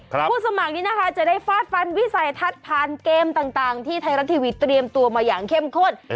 ผู้สมัครนี้นะคะจะได้ฟาดฟันวิสัยทัศน์ผ่านเกมต่างที่ไทยรัฐทีวีเตรียมตัวมาอย่างเข้มข้น